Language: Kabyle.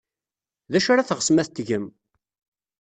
D acu ara teɣsem ad t-tgem?